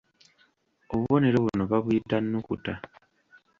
Obubonero buno babuyita; nnukuta.